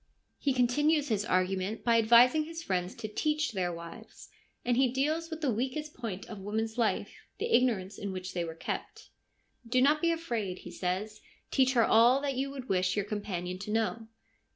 He continues his argument by advising his friends to teach their wives ; and he deals with the weakest point in woman's life — the ignorance in which they were kept. ' Do not be afraid,' he says ;' teach her all that you would wish your companion to know.'